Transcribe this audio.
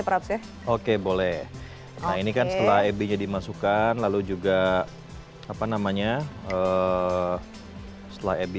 perhatian oke boleh nah ini kan setelah ebonyak dimasukkan lalu juga apa namanya eh setelah ebi